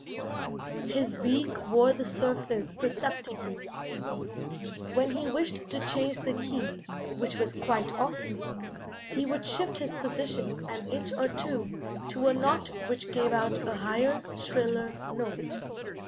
His beak wore the surface perceptibly. When he wished to change the key, which was quite often, he would shift his position an inch or two to a knot which gave out a higher, shriller note.